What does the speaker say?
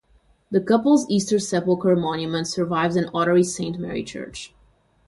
The couple's Easter Sepulchre monument survives in Ottery Saint Mary Church.